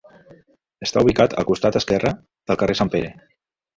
Està ubicat al costat esquerre del carrer Sant Pere.